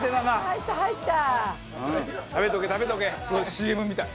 ＣＭみたい。